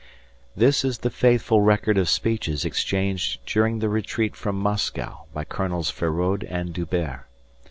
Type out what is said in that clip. This is the faithful record of speeches exchanged during the retreat from Moscow by Colonels Feraud and D'Hubert.